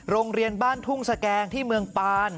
โรงเรียนบ้านทุ่งสแกงที่เมืองปาน